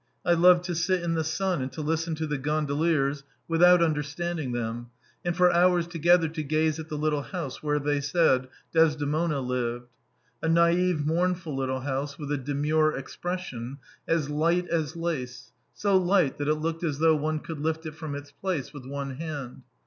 I loved to sit in the sun, and to listen to the gondoliers without understanding them, and for hours together to gaze at the little house where, they said, Desdemona lived a naive, mournful little house with a demure expression, as light as lace, so light that it looked as though one could lift it from its place with one hand.